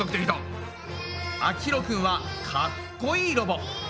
あきひろくんはかっこいいロボ。